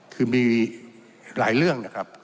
คือมีหลายเรื่องนะครับ